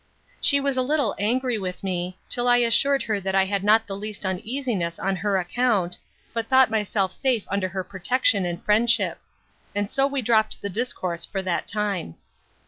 She was a little angry with me, till I assured her that I had not the least uneasiness on her account, but thought myself safe under her protection and friendship. And so we dropt the discourse for that time.